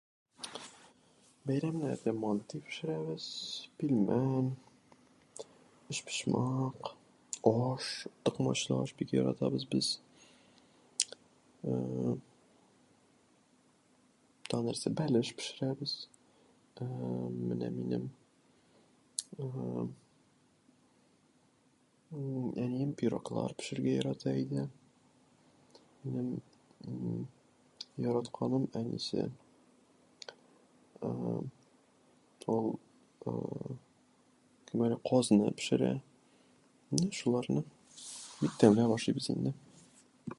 Бәйрәмнәрдә манты пешерәбез, пилмән, өчпочмак, аш ... токмачлы аш бик яратабыз без. Ә-әм та- нәрсә? Бәлеш пешерәбез. Ә-ә-ә менә минем ә-әм м-м әнием пироглар пешерергә ярата иде. Минем м-м яратканым әнисе ... ә-әм ул кем әле казны пешерә. Менә шуларны, бик тәмле ашыйбыз инде.